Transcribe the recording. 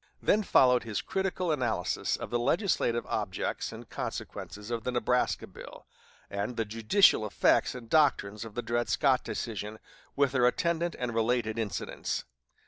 Then followed his critical analysis of the legislative objects and consequences of the Nebraska Bill, and the judicial effects and doctrines of the Dred Scott decision, with their attendant and related incidents.